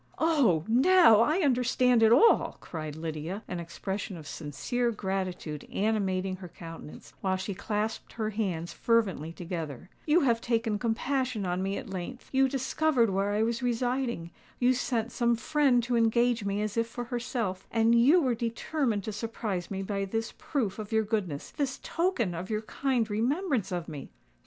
"Oh! now I understand it all!" cried Lydia, an expression of sincere gratitude animating her countenance, while she clasped her hands fervently together: "you have taken compassion on me at length,—you discovered where I was residing,—you sent some friend to engage me as if for herself,—and you were determined to surprise me by this proof of your goodness—this token of your kind remembrance of me!"